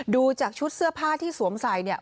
ดูจากชุดเสื้อผ้าที่สวมใส่เนี่ย